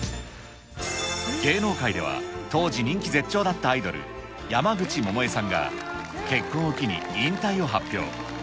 芸能界では、当時人気絶頂だったアイドル、山口百恵さんが結婚を機に引退を発表。